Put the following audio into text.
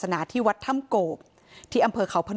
คุณยายบอกว่ารู้สึกเหมือนใครมายืนอยู่ข้างหลัง